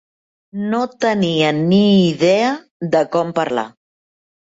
No tenia ni idea de com parlar.